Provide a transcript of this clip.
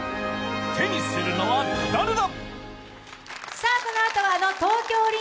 手にするのは誰だ！？